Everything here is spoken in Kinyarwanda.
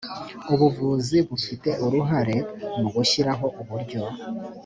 ubuvuzi bafite uruhare mu gushyiraho uburyo